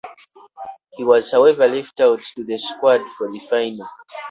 He was however left out of the squad for the final.